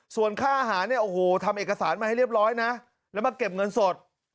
ส่วนค่าอาหารเนี่ยโอ้โหทำเอกสารมาให้เรียบร้อยนะแล้วมาเก็บเงินสด